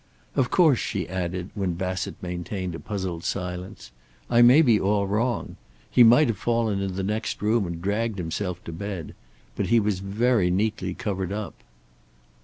"Of course," she added, when Bassett maintained a puzzled silence, "I may be all wrong. He might have fallen in the next room and dragged himself to bed. But he was very neatly covered up."